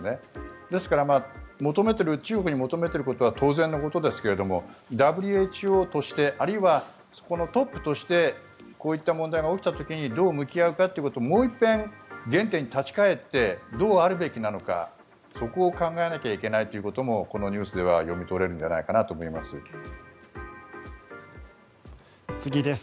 ですから中国に求めていることは当然のことですけどＷＨＯとしてあるいはそこのトップとしてこういった問題が起きた時にどう向き合うかもう一遍、原点に立ち返ってどうあるべきなのかそこを考えなきゃいけないということもこのニュースでは読み取れるんじゃないかと思います。